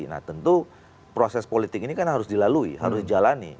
nah tentu proses politik ini kan harus dilalui harus dijalani